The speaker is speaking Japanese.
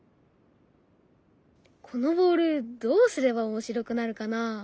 このボールどうすれば面白くなるかな？